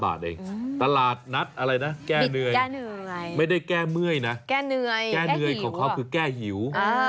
๓๕บาทเองตลาดนัดแก้เหนื่อยไม่ได้แก้เมื่อยนะแก้เหนื่อยของเขาคือแก้หิว